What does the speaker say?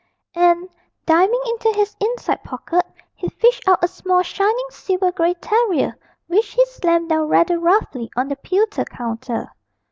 And, diving into his inside pocket he fished out a small shining silver grey terrier which he slammed down rather roughly on the pewter counter.